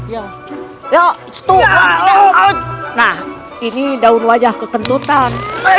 ya yo itu nah ini daun wajah kekentutan